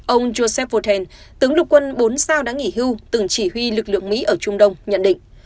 ông josephoten tướng lục quân bốn sao đã nghỉ hưu từng chỉ huy lực lượng mỹ ở trung đông nhận định